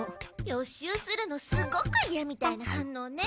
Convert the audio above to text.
予習するのすごくいやみたいな反のうね。